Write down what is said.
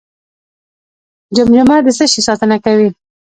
جمجمه د څه شي ساتنه کوي؟